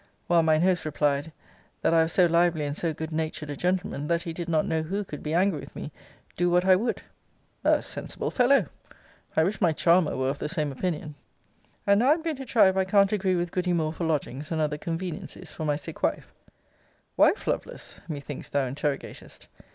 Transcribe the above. While mine host replied, That I was so lively and so good natured a gentleman, that he did not know who could be angry with me, do what I would. A sensible fellow! I wish my charmer were of the same opinion. And now I am going to try if I can't agree with goody Moore for lodgings and other conveniencies for my sick wife. 'Wife, Lovelace?' methinks thou interrogatest.